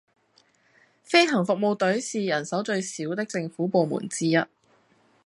飛行服務隊是人手最少的政府部門之一